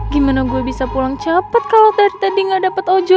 gimana gue bisa pulang cepet kalo dari tadi gak dapet ojo